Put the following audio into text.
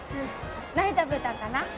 何食べたかな？